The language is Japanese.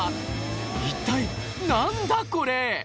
一体何だこれ！